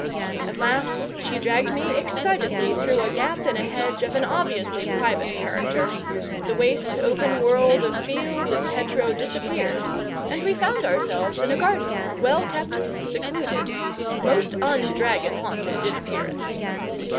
At last she dragged me excitedly through a gap in a hedge of an obviously private character; the waste, open world of field and hedge row disappeared, and we found ourselves in a garden, well kept, secluded, most un dragon haunted in appearance.